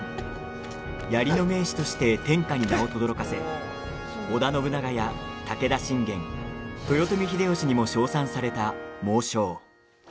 槍の名手として天下に名をとどろかせ織田信長や武田信玄豊臣秀吉にも称賛された猛将。